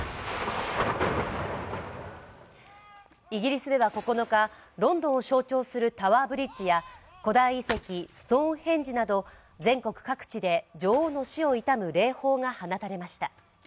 イギリスでは９日、ロンドンを象徴するタワーブリッジや古代遺跡ストーンヘンジなど全国各地で女王を悼む礼砲が放たれました。